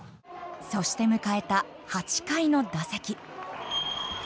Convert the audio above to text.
そして迎えた８回の打席。